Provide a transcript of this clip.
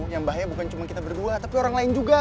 yang bahaya bukan cuma kita berdua tapi orang lain juga